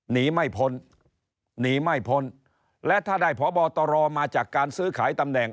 หนีไม่พ้นหนีไม่พ้นและถ้าได้พบตรมาจากการซื้อขายตำแหน่ง